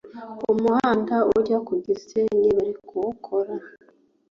umuhanda ujya kugisenyi barikuwukora